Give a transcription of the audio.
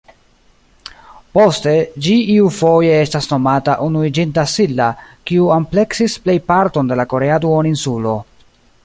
Poste, ĝi iufoje estas nomata Unuiĝinta Silla kiu ampleksis plejparton de la korea duoninsulo.